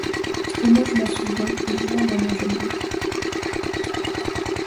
Et moi, je m'en souviens, . jouant dans mon jeune âge